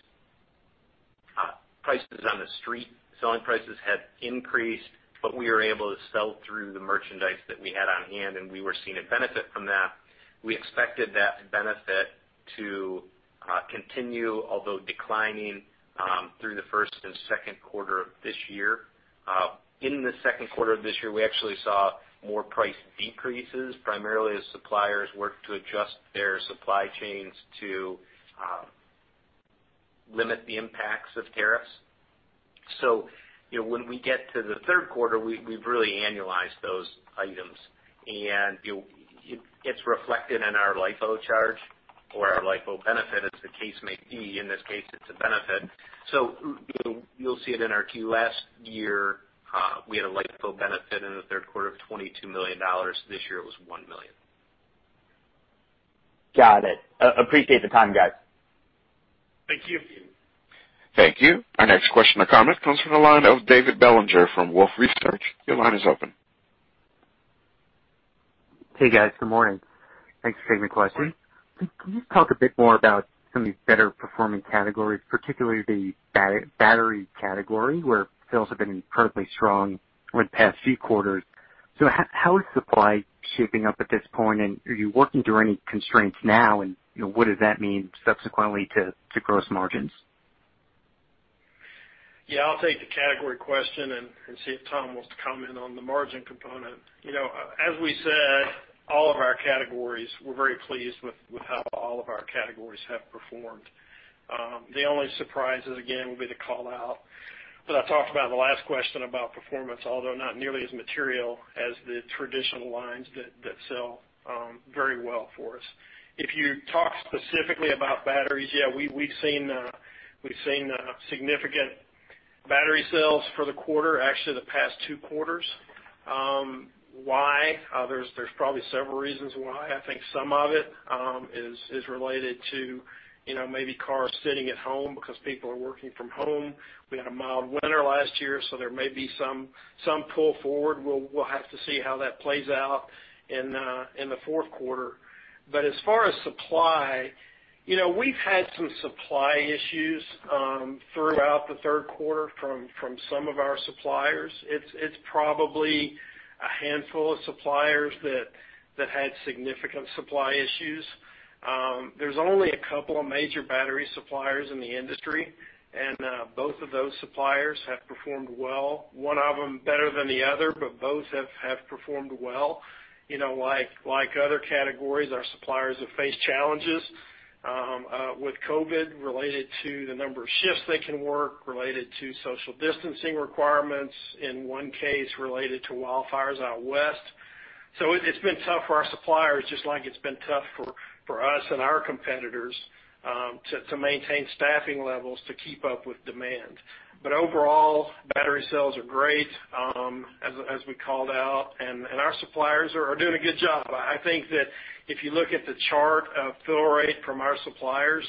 prices on the street, selling prices had increased, but we were able to sell through the merchandise that we had on hand, we were seeing a benefit from that. We expected that benefit to continue, although declining through the first and second quarter of this year. In the second quarter of this year, we actually saw more price decreases, primarily as suppliers worked to adjust their supply chains to limit the impacts of tariffs. When we get to the third quarter, we've really annualized those items, and it's reflected in our LIFO charge or our LIFO benefit, as the case may be. In this case, it's a benefit. You'll see it in our Q last year, we had a LIFO benefit in the third quarter of $22 million. This year, it was $1 million. Got it. Appreciate the time, guys. Thank you. Thank you. Our next question or comment comes from the line of David Bellinger from Wolfe Research. Your line is open. Hey, guys. Good morning. Thanks for taking my question. Can you talk a bit more about some of these better performing categories, particularly the battery category, where sales have been incredibly strong over the past few quarters. How is supply shaping up at this point, and are you working through any constraints now? What does that mean subsequently to gross margins? I'll take the category question and see if Tom McFall wants to comment on the margin component. As we said, all of our categories, we're very pleased with how all of our categories have performed. The only surprises, again, will be the call-out that I talked about in the last question about performance, although not nearly as material as the traditional lines that sell very well for us. If you talk specifically about batteries, yeah, we've seen significant battery sales for the quarter, actually the past two quarters. Why? There's probably several reasons why. I think some of it is related to maybe cars sitting at home because people are working from home. We had a mild winter last year, so there may be some pull forward. We'll have to see how that plays out in the fourth quarter. As far as supply, we've had some supply issues throughout the third quarter from some of our suppliers. It's probably a handful of suppliers that had significant supply issues. There's only a couple of major battery suppliers in the industry, and both of those suppliers have performed well. One of them better than the other, but both have performed well. Like other categories, our suppliers have faced challenges with COVID related to the number of shifts they can work, related to social distancing requirements, in one case related to wildfires out west. It's been tough for our suppliers, just like it's been tough for us and our competitors to maintain staffing levels to keep up with demand. Overall, battery sales are great as we called out, and our suppliers are doing a good job. I think that if you look at the chart of fill rate from our suppliers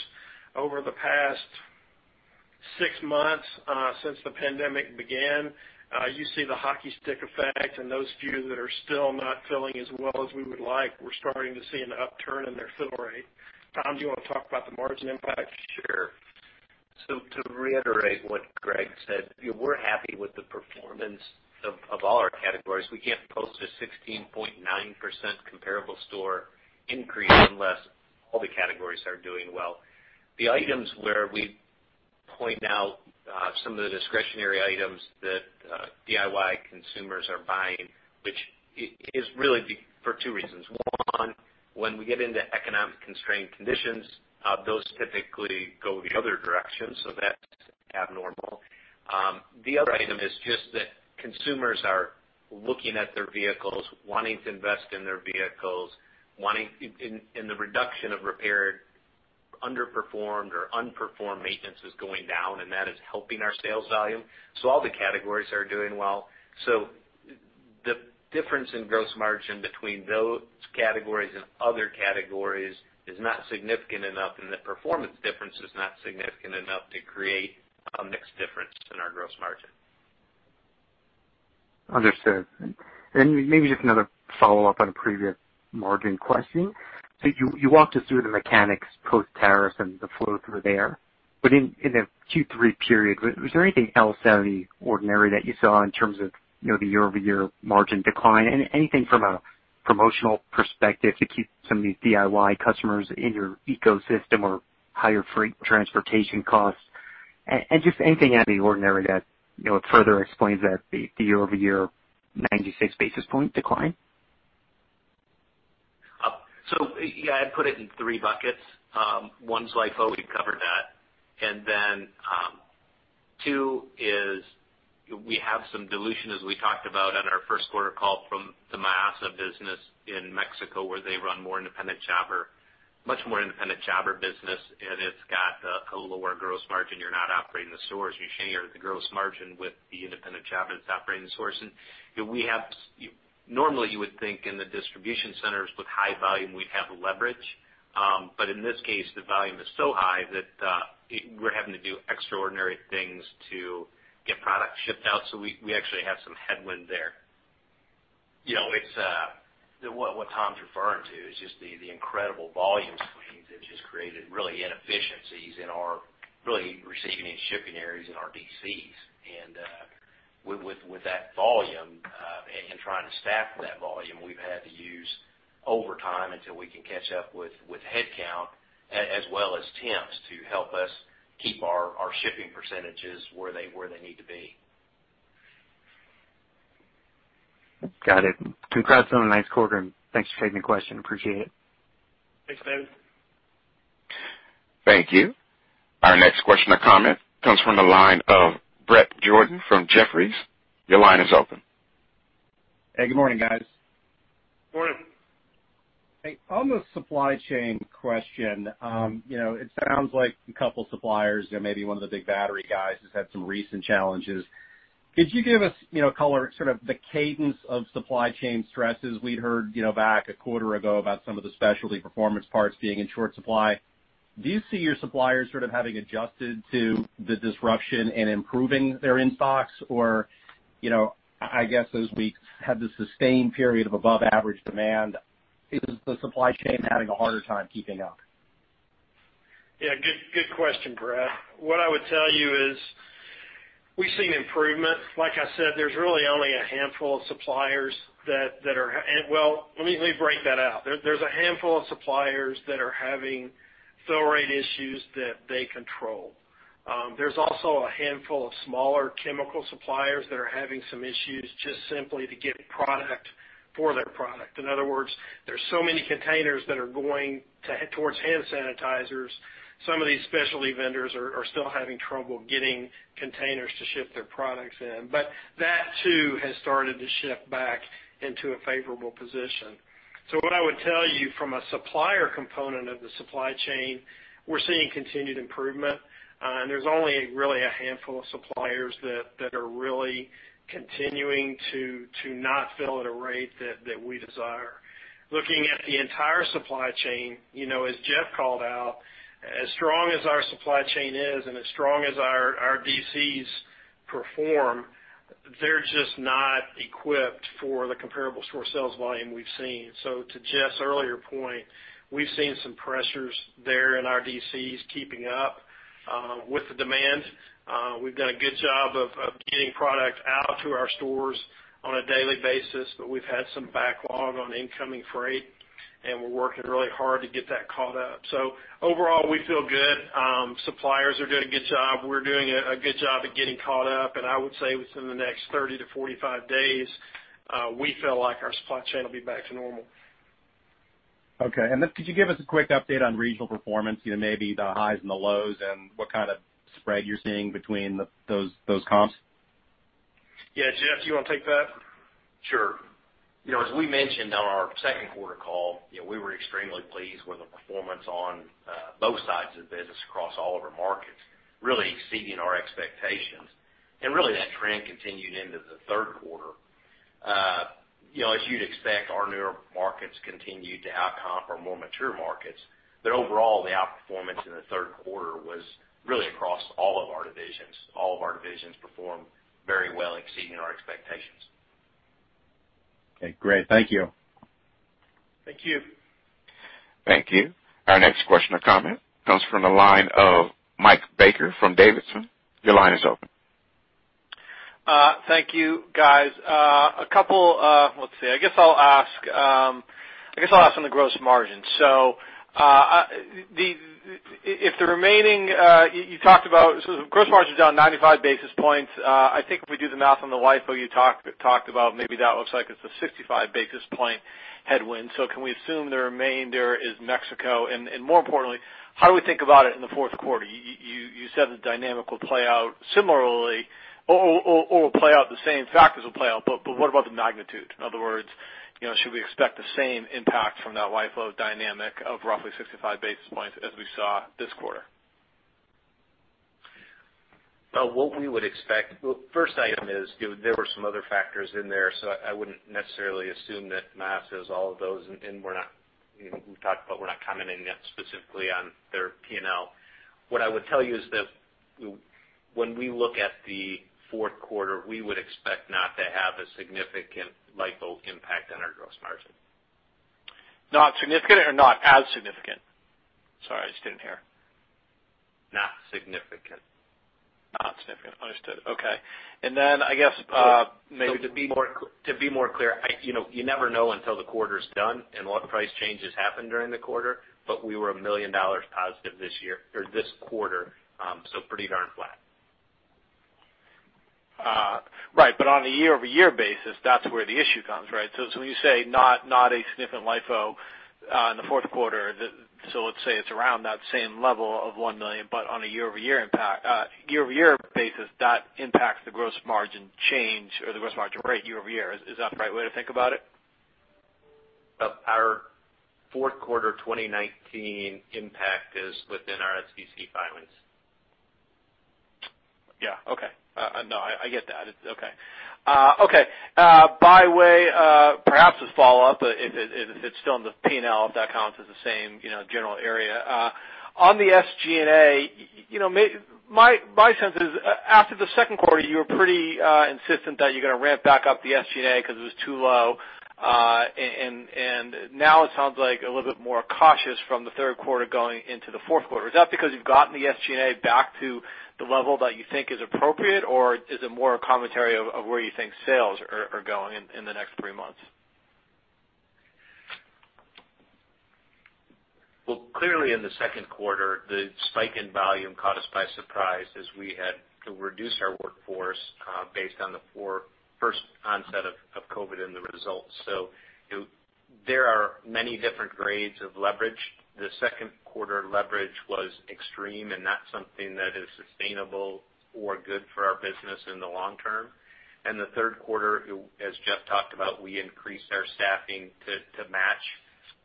over the past six months since the pandemic began, you see the hockey stick effect and those few that are still not filling as well as we would like, we're starting to see an upturn in their fill rate. Tom McFall, do you want to talk about the margin impact? To reiterate what Greg Johnson said, we're happy with the performance of all our categories. We can't post a 16.9% comparable store increase unless all the categories are doing well. The items where we point out some of the discretionary items that DIY consumers are buying, which is really for two reasons. One, when we get into economic constrained conditions, those typically go the other direction. That's abnormal. The other item is just that consumers are looking at their vehicles, wanting to invest in their vehicles. The reduction of repaired, underperformed or unperformed maintenance is going down, and that is helping our sales volume. All the categories are doing well. The difference in gross margin between those categories and other categories is not significant enough, and the performance difference is not significant enough to create a mixed difference in our gross margin. Understood. Maybe just another follow-up on a previous margin question. You walked us through the mechanics post-tariff and the flow through there. In the Q3 period, was there anything else out of the ordinary that you saw in terms of the year-over-year margin decline? Anything from a promotional perspective to keep some of these DIY customers in your ecosystem or higher freight and transportation costs? Just anything out of the ordinary that further explains that the year-over-year 96 basis point decline? Yeah, I'd put it in three buckets. One's LIFO, we've covered that. Then, two is we have some dilution, as we talked about on our first quarter call from the Mayasa business in Mexico, where they run much more independent jobber business, and it's got a lower gross margin. You're not operating the stores. You're sharing the gross margin with the independent jobber that's operating the stores. Normally, you would think in the distribution centers with high volume, we'd have leverage. In this case, the volume is so high that we're having to do extraordinary things to get product shipped out. We actually have some headwind there. What Tom McFall's referring to is just the incredible volume swings have just created really inefficiencies in our really receiving and shipping areas in our DCs. With that volume and trying to staff that volume, we've had to use overtime until we can catch up with headcount as well as temps to help us keep our shipping percentages where they need to be. Got it. Congrats on a nice quarter, and thanks for taking the question. Appreciate it. Thanks, David Bellinger. Thank you. Our next question or comment comes from the line of Bret Jordan from Jefferies. Your line is open. Hey, good morning, guys. Morning. Hey, on the supply chain question, it sounds like a couple suppliers and maybe one of the big battery guys has had some recent challenges. Could you give us color, sort of the cadence of supply chain stresses? We'd heard back a quarter ago about some of the specialty performance parts being in short supply. Do you see your suppliers sort of having adjusted to the disruption and improving their in-stocks? I guess as we have the sustained period of above-average demand, is the supply chain having a harder time keeping up? Good question, Bret Jordan. What I would tell you is we've seen improvement. Like I said, there's really only a handful of suppliers that are -- well, let me break that out. There's a handful of suppliers that are having fill rate issues that they control. There's also a handful of smaller chemical suppliers that are having some issues just simply to get product for their product. In other words, there's so many containers that are going towards hand sanitizers. Some of these specialty vendors are still having trouble getting containers to ship their products in. That too, has started to shift back into a favorable position. What I would tell you from a supplier component of the supply chain, we're seeing continued improvement. There's only really a handful of suppliers that are really continuing to not fill at a rate that we desire. Looking at the entire supply chain, as Jeff called out, as strong as our supply chain is and as strong as our DCs perform, they're just not equipped for the comparable store sales volume we've seen. To Jeff Shaw's earlier point, we've seen some pressures there in our DCs keeping up with the demand. We've done a good job of getting product out to our stores on a daily basis, but we've had some backlog on incoming freight, and we're working really hard to get that caught up. Overall, we feel good. Suppliers are doing a good job. We're doing a good job at getting caught up. I would say within the next 30 to 45 days, we feel like our supply chain will be back to normal. Okay. Could you give us a quick update on regional performance, maybe the highs and the lows and what kind of spread you're seeing between those comps? Yeah. Jeff Shaw, you want to take that? Sure. As we mentioned on our second quarter call, we were extremely pleased with the performance on both sides of the business across all of our markets, really exceeding our expectations. Really that trend continued into the third quarter. As you'd expect, our newer markets continued to outcomp our more mature markets. Overall, the outperformance in the third quarter was really across all of our divisions. All of our divisions performed very well, exceeding our expectations. Okay, great. Thank you. Thank you. Thank you. Our next question or comment comes from the line of Mike Baker from D.A. Davidson. Your line is open. Thank you, guys. Let's see. I guess I'll ask on the gross margin. You talked about gross margin's down 95 basis points. I think if we do the math on the LIFO you talked about, maybe that looks like it's a 65 basis point headwind. Can we assume the remainder is Mexico? More importantly, how do we think about it in the fourth quarter? You said the dynamic will play out similarly, or the same factors will play out, what about the magnitude? In other words, should we expect the same impact from that LIFO dynamic of roughly 65 basis points as we saw this quarter? Well, what we would expect -- first item is there were some other factors in there. I wouldn't necessarily assume that math says all of those. We've talked about we're not commenting specifically on their P&L. What I would tell you is that when we look at the fourth quarter, we would expect not to have a significant LIFO impact on our gross margin. Not significant or not as significant? Sorry, I just didn't hear. Not significant. Not significant. Understood. Okay. To be more clear, you never know until the quarter's done and what price changes happen during the quarter, but we were $1 million positive this quarter, so pretty darn flat. Right. On a year-over-year basis, that's where the issue comes, right? When you say not a significant LIFO in the fourth quarter, let's say it's around that same level of $1 million, on a year-over-year basis, that impacts the gross margin change or the gross margin rate year-over-year. Is that the right way to think about it? Our fourth quarter 2019 impact is within our SEC filings. Yeah. Okay. No, I get that. It's okay. By way, perhaps as follow-up, if it's still in the P&L, if that counts as the same general area. On the SG&A, my sense is after the second quarter, you were pretty insistent that you're going to ramp back up the SG&A because it was too low. Now, it sounds a little bit more cautious from the third quarter going into the fourth quarter. Is that because you've gotten the SG&A back to the level that you think is appropriate, or is it more a commentary of where you think sales are going in the next three months? Well, clearly in the second quarter, the spike in volume caught us by surprise as we had to reduce our workforce based on the first onset of COVID and the results. There are many different grades of leverage. The second quarter leverage was extreme, and not something that is sustainable or good for our business in the long term. The third quarter, as Jeff Shaw talked about, we increased our staffing to match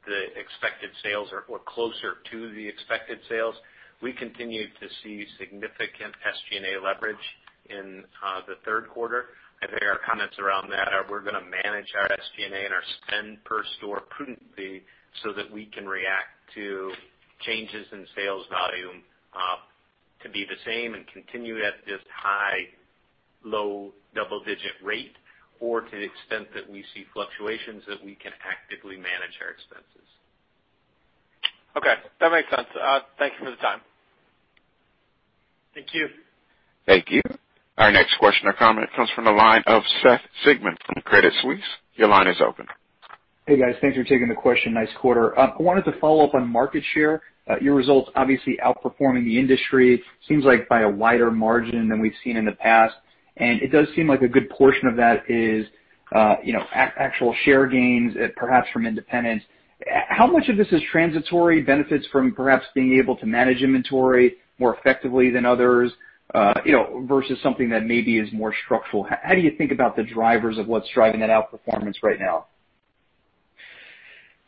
the expected sales or closer to the expected sales. We continue to see significant SG&A leverage in the third quarter. I think our comments around that are we're going to manage our SG&A and our spend per store prudently so that we can react to changes in sales volume to be the same and continue at this high, low double-digit rate, or to the extent that we see fluctuations, that we can actively manage our expenses. Okay, that makes sense. Thank you for the time. Thank you. Thank you. Our next question or comment comes from the line of Seth Sigman from Credit Suisse. Your line is open. Hey, guys. Thanks for taking the question. Nice quarter. I wanted to follow up on market share. Your results obviously outperforming the industry seems like by a wider margin than we've seen in the past, and it does seem like a good portion of that is actual share gains, perhaps from independents. How much of this is transitory benefits from perhaps being able to manage inventory more effectively than others versus something that maybe is more structural? How do you think about the drivers of what's driving that outperformance right now?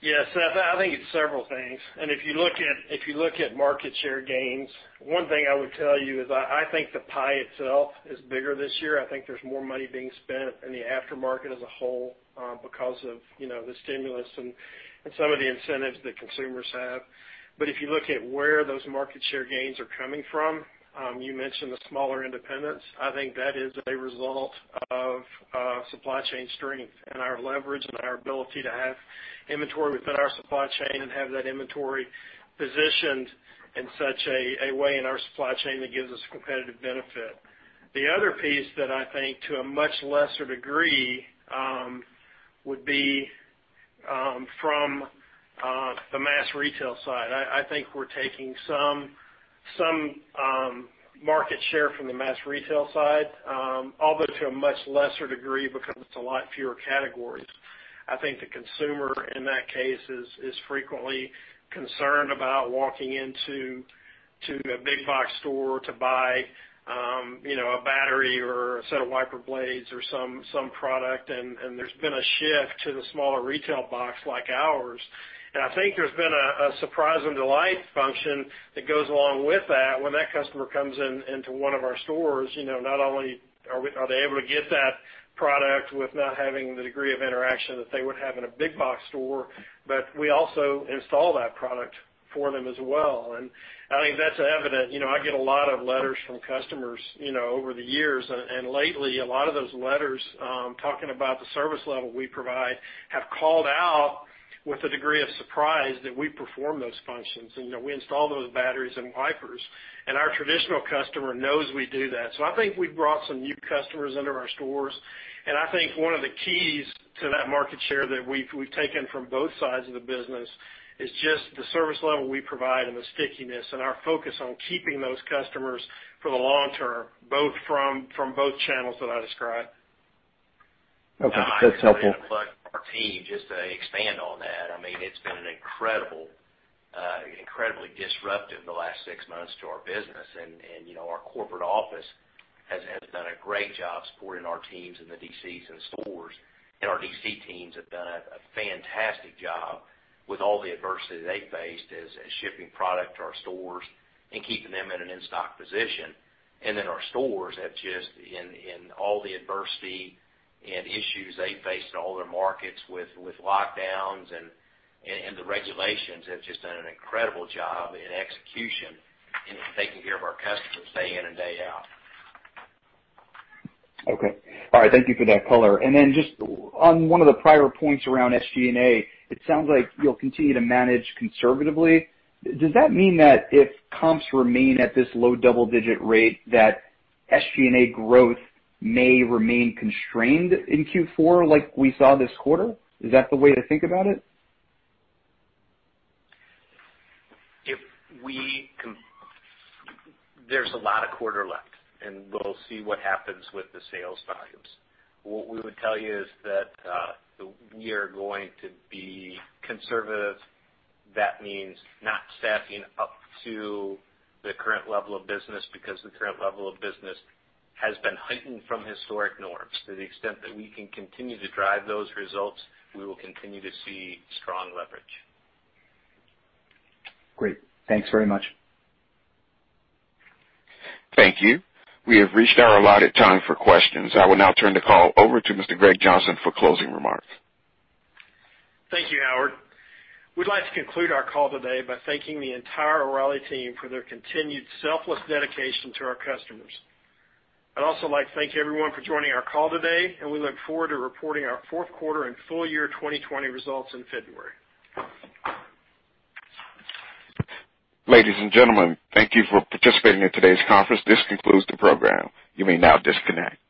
Yeah, Seth Sigman, I think it's several things. If you look at market share gains, one thing I would tell you is I think the pie itself is bigger this year. I think there's more money being spent in the aftermarket as a whole because of the stimulus and some of the incentives that consumers have. If you look at where those market share gains are coming from, you mentioned the smaller independents. I think that is a result of supply chain strength and our leverage and our ability to have inventory within our supply chain and have that inventory positioned in such a way in our supply chain that gives us competitive benefit. The other piece that I think to a much lesser degree would be from the mass retail side. I think we're taking some market share from the mass retail side although to a much lesser degree because it's a lot fewer categories. I think the consumer in that case is frequently concerned about walking into a big box store to buy a battery or a set of wiper blades or some product and there's been a shift to the smaller retail box like ours. I think there's been a surprise and delight function that goes along with that when that customer comes into one of our stores, not only are they able to get that product with not having the degree of interaction that they would have in a big box store, but we also install that product for them as well. I think that's evident. I get a lot of letters from customers over the years, and lately, a lot of those letters talking about the service level we provide have called out with a degree of surprise that we perform those functions and we install those batteries and wipers. Our traditional customer knows we do that. I think we've brought some new customers into our stores, and I think one of the keys to that market share that we've taken from both sides of the business is just the service level we provide and the stickiness and our focus on keeping those customers for the long term, both from both channels that I described. Okay. That's helpful. Just to expand on that, it's been incredibly disruptive the last six months to our business. Our corporate office has done a great job supporting our teams in the DCs and stores. Our DC teams have done a fantastic job with all the adversity they faced as shipping product to our stores and keeping them in an in-stock position. Our stores have just in all the adversity and issues they faced in all their markets with lockdowns and the regulations have just done an incredible job in execution in taking care of our customers day in and day out. Okay. All right. Thank you for that color. Then just on one of the prior points around SG&A, it sounds like you'll continue to manage conservatively. Does that mean that if comps remain at this low double-digit rate, that SG&A growth may remain constrained in Q4 like we saw this quarter? Is that the way to think about it? There's a lot of quarter left, and we'll see what happens with the sales volumes. What we would tell you is that we are going to be conservative. That means not staffing up to the current level of business because the current level of business has been heightened from historic norms. To the extent that we can continue to drive those results, we will continue to see strong leverage. Great. Thanks very much. Thank you. We have reached our allotted time for questions. I will now turn the call over to Mr. Greg Johnson for closing remarks. Thank you, Howard. We'd like to conclude our call today by thanking the entire O'Reilly team for their continued selfless dedication to our customers. I'd also like to thank everyone for joining our call today, and we look forward to reporting our fourth quarter and full year 2020 results in February. Ladies and gentlemen, thank you for participating in today's conference. This concludes the program. You may now disconnect.